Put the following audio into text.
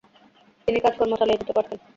তিনি কাজ-কর্ম চালিয়ে যেতে পারতেন।